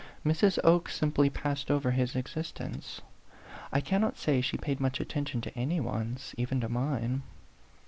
Mrs. Oke simply passed over his existence. I cannot say she paid much attention to any one's, even to mine.